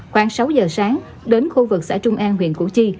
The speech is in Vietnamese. khoảng sáu giờ sáng đến khu vực xã trung an huyện củ chi